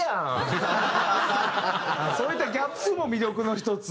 そういったギャップも魅力の一つ？